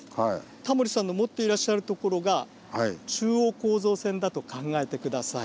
タモリさんの持っていらっしゃるところが中央構造線だと考えて下さい。